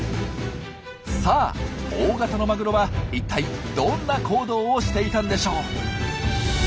さあ大型のマグロは一体どんな行動をしていたんでしょう。